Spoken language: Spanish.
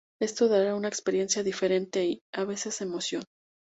Esto dará una experiencia diferente y, a veces emoción.